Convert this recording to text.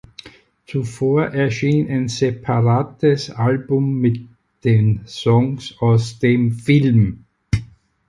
Zuvor erschien ein separates Album mit den Songs aus dem Film.